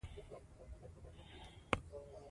ننګرهار د افغانستان د موسم د بدلون سبب کېږي.